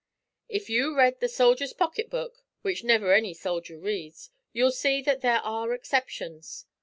"If you read the 'Soldier's Pocket Book,' which never any soldier reads, you'll see that there are exceptions.